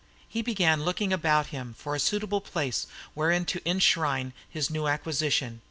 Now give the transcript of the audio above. He began looking about him for a suitable place wherein to enshrine his new acquisition.